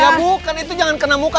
ya bukan itu jangan kena muka